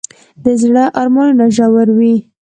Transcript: د زړه ارمانونه ژور وي.